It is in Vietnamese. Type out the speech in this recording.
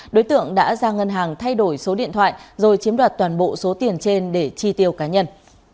đối tượng đã ra ngân hàng thay đổi số điện thoại rồi chiếm đoạt toàn bộ số tiền trên để chi tiêu cá nhân